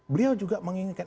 beliau juga menginginkan